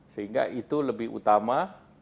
sehingga itu lebih utama